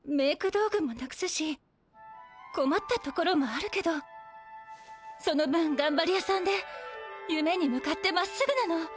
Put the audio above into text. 道具もなくすしこまったところもあるけどその分がんばり屋さんでゆめに向かってまっすぐなの。